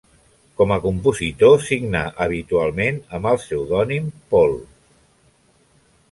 Com a compositor signà habitualment amb el pseudònim Pol.